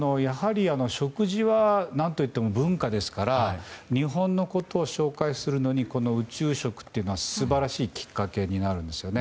食事は何といっても文化ですから日本のことを紹介するのに宇宙食っていうのは素晴らしいきっかけになるんですよね。